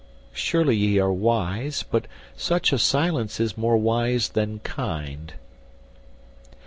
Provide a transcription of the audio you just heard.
surely ye are wise, But such a silence is more wise than kind."